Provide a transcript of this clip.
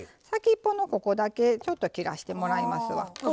先っぽのここだけちょっと切らしてもらいますわ。